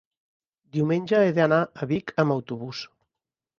diumenge he d'anar a Vic amb autobús.